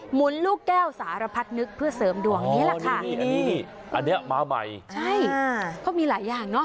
หุนลูกแก้วสารพัดนึกเพื่อเสริมดวงนี้แหละค่ะนี่อันนี้มาใหม่ใช่เขามีหลายอย่างเนอะ